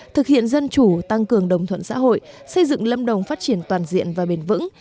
thực hiện dân chủ tăng cường đồng thuận xã hội xây dựng lâm đồng phát triển toàn diện và bền vững